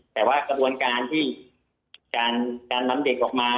แต่ว่าสมมุติการนำเด็กออกมา